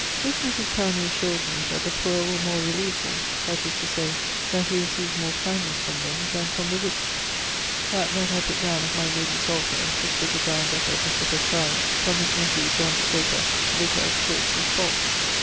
This Mris Powney assures me that the poor were more relieveable, that is to say, that he recieved more kindnesse from them than from the rich. That that I putt downe of my lady Salter (sister to Brian Duppa, bishop of Sarum), from his nephew Sloper, vicar of Chalke, is false.